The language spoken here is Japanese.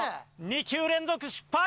２球連続失敗！